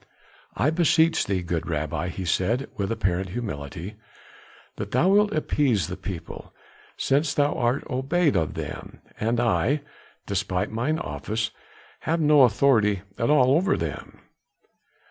"I beseech thee, good Rabbi," he said, with apparent humility, "that thou wilt appease the people, since thou art obeyed of them; and I, despite mine office, have no authority at all over them."